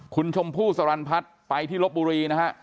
คุณชมผู้สลันพัดไปที่ลบบุรีนะฮะ